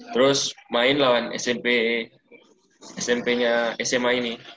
terus main lawan smp smp sma ini